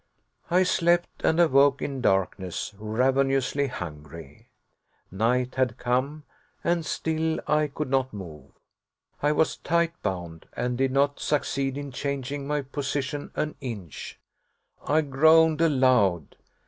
I slept, and awoke in darkness, ravenously hungry. Night had come, and still I could not move. I was tight bound, and did not succeed in changing my position an inch. I groaned aloud.